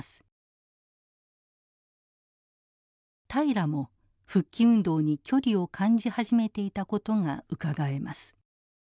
平良も復帰運動に距離を感じ始めていたことがうかがえます。